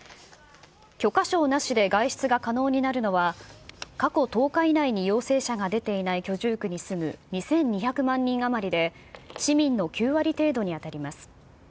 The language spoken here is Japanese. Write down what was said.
許可証なしで外出が可能になるのは、過去１０日以内に陽性者が出ていない居住区に住む２２００万人余りで、市民の９割程度に当たります。